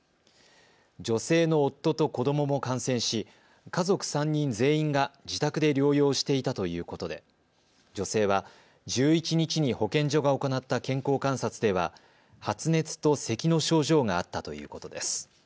女性の夫と子どもも感染し家族３人全員が自宅で療養していたということで女性は１１日に保健所が行った健康観察では発熱とせきの症状があったということです。